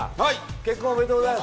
結婚おめでとうございます。